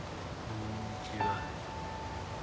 こんにちは。